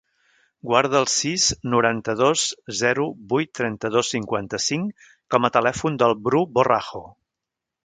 Guarda el sis, noranta-dos, zero, vuit, trenta-dos, cinquanta-cinc com a telèfon del Bru Borrajo.